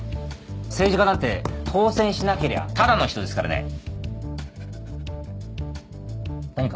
政治家なんて当選しなけりゃただの人ですからね。何か？